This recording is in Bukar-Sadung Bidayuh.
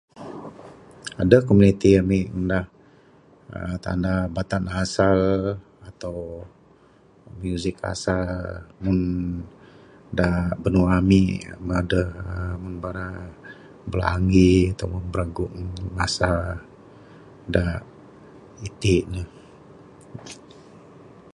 Adeh komuniti ami ngundah tanda batan asal ato music asal meng da binua ami adeh uhh Meng bala bilangi ato pun biragung asal da iti ne.